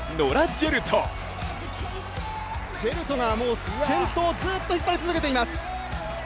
ジェルトが先頭をずっと引っ張り続けています。